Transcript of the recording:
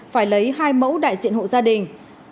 phải lấy hai mẫu đại diện hộ gia đình